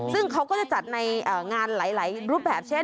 ซึ่งเขาก็จะจัดในงานหลายรูปแบบเช่น